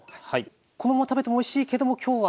このまま食べてもおいしいけども今日は。